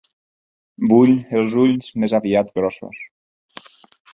Vull els ulls més aviat grossos.